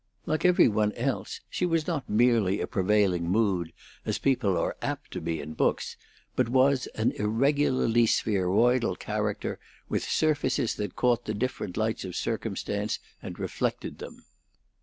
Like every one else, she was not merely a prevailing mood, as people are apt to be in books, but was an irregularly spheroidal character, with surfaces that caught the different lights of circumstance and reflected them.